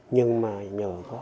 nhưng mà nhờ